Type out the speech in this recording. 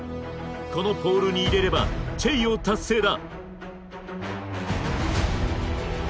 このポールに入れればチェイヨー達成だ。